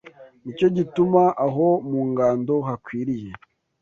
ni cyo gituma aho mu ngando hakwiriye